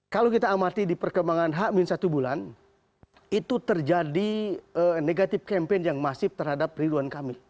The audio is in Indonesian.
kalau kita amati di perkembangan hakmin satu bulan itu terjadi negatif campaign yang masif terhadap perlindungan kami